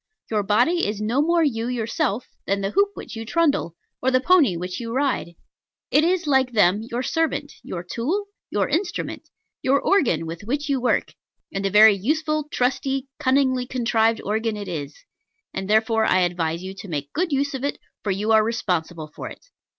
Your body is no more you yourself than the hoop which you trundle, or the pony which you ride. It is, like them, your servant, your tool, your instrument, your organ, with which you work: and a very useful, trusty, cunningly contrived organ it is; and therefore I advise you to make good use of it, for you are responsible for it.